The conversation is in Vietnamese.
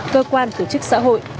cơ quan tổ chức xã hội